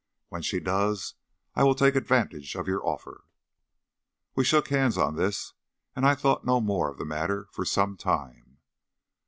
When she does I will take advantage of your offer." We shook hands on this, and I thought no more of the matter for some time.